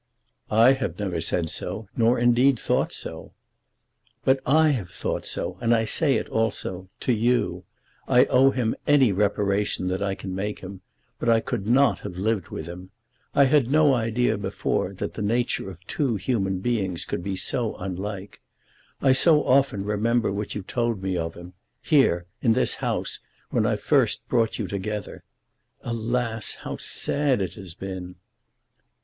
"I have never said so; nor, indeed, thought so." "But I have thought so; and I say it also, to you. I owe him any reparation that I can make him; but I could not have lived with him. I had no idea, before, that the nature of two human beings could be so unlike. I so often remember what you told me of him, here; in this house, when I first brought you together. Alas, how sad it has been!"